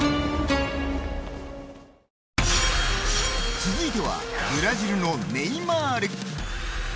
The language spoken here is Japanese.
続いてはブラジルのネイマール。